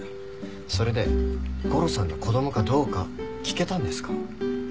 それでゴロさんの子供かどうか聞けたんですか？